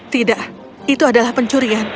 tidak itu adalah pencurian